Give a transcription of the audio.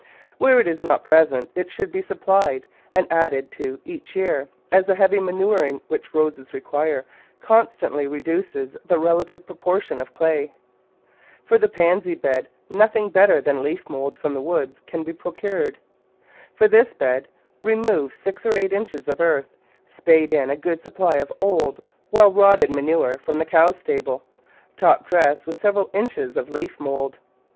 Where 17 Digitized by Google i8 The Flower Garden [Chapter it is not present it should be supplied and added to each year, as the heavy manuring which Roses require constantly reduces the relative proportion of clay. For the Pansy bed nothing better than leaf mould from the woods can be procured. For this bed re move six or eight inches of earth, spade in a good supply of old, well rotted manure from the cow stable, top dress with several inches of leaf mould.